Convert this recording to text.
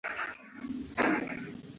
ایا هلک په کړکۍ کې د الوتی مرغۍ ننداره کوله؟